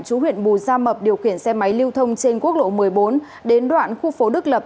chú huyện bù gia mập điều khiển xe máy lưu thông trên quốc lộ một mươi bốn đến đoạn khu phố đức lập